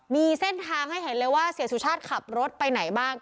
มีเส้นทางให้เห็นเลยว่าเสียสุชาติขับรถไปไหนบ้าง